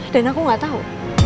dan aku gak tahu